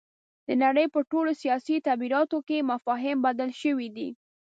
د نړۍ په ټولو سیاسي تعبیراتو کې مفاهیم بدل شوي دي.